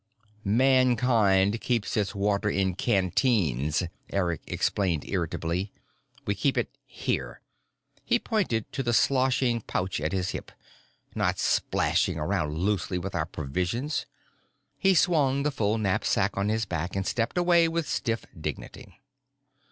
"Mankind keeps its water in canteens," Eric explained irritably. "We keep it here," he pointed to the sloshing pouch at his hip, "not splashing around loosely with our provisions." He swung the full knapsack on his back and stepped away with stiff dignity.